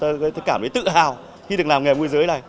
người ta cảm thấy tự hào khi được làm nghề môi giới này